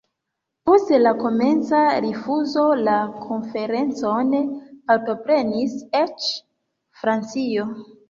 Post la komenca rifuzo, la konferencon partoprenis eĉ Francio.